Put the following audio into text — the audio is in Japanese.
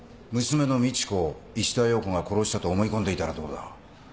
娘の美智子を石田洋子が殺したと思い込んでいたらどうだ？